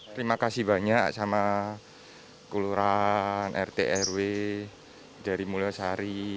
terima kasih banyak sama kelurahan rt rw dari mulyosari